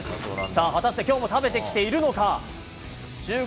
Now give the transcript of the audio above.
さあ、果たしてきょうも食べてきているのか。